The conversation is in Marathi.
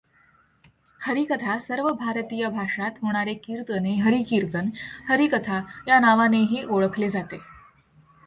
हरिकथा सर्व भारतीय भाषात होणारे कीर्तन हे हरिकीर्तन, हरिकथा या नावानेही ओळखले जाते.